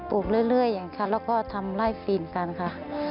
ลูกเรื่อยอย่างนั้นแล้วก็ทำไล่ฟีนกันค่ะ